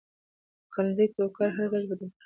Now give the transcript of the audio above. د پخلنځي ټوکر هره ورځ بدل کړئ.